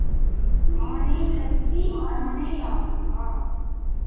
ஆனை லத்தி ஆனை ஆகுமா?